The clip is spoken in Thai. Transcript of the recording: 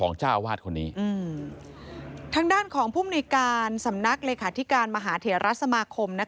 ส่วนของผู้มนุยการสำนักเลขาธิการมหาเถียรัฐสมาคม